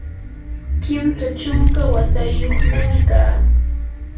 kimsa chunka watayuqnami kaa.